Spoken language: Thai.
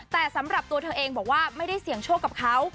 แต่สำหรับตัวเธอเองบอกว่าไม่ได้เสี่ยงโชคกับเขา